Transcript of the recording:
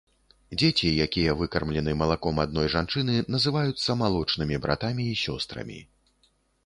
Дзеці, якія выкармлены малаком адной жанчыны, называюцца малочнымі братамі і сёстрамі.